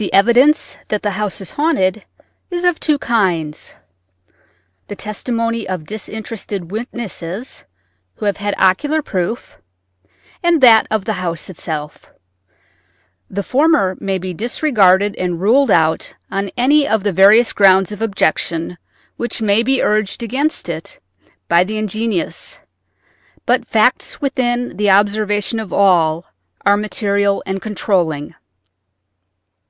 The evidence that the house is haunted is of two kinds; the testimony of disinterested witnesses who have had ocular proof, and that of the house itself. The former may be disregarded and ruled out on any of the various grounds of objection which may be urged against it by the ingenious; but facts within the observation of all are material and controlling.